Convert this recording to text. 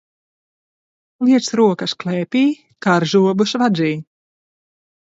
Liec rokas klēpī, kar zobus vadzī!